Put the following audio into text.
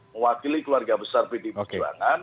mewakili keluarga besar pdi perjuangan